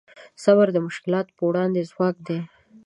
صبر د مشکلاتو په وړاندې ځواک دی.